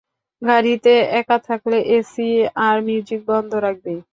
গাড়িতে একা থাকলে এসি আর মিউজিক বন্ধ রাখবি।